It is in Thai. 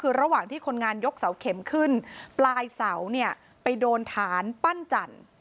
คือระหว่างที่คนงานยกเสาเข็มขึ้นปลายเสาเนี่ยไปโดนฐานปั้นจันทร์